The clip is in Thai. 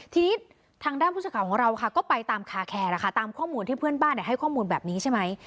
ทีนี้ทางด้านผู้สื่อข่าวของเราค่ะก็ไปตามคาแคร์นะคะตามข้อมูลที่เพื่อนบ้านให้ข้อมูลแบบนี้ใช่ไหม